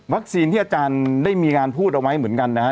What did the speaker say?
ที่อาจารย์ได้มีการพูดเอาไว้เหมือนกันนะฮะ